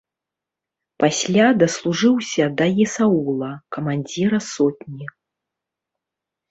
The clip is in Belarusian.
Пасля даслужыўся да есаула, камандзіра сотні.